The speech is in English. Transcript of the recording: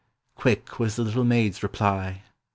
" Quick was the little maid's reply!